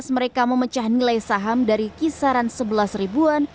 mereka memecah nilai saham dari kisaran sebelas ribuan